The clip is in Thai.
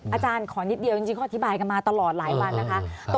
อาจารย์ขอนิดเดียวจริงเขาอธิบายกันมาตลอดหลายวันนะคะ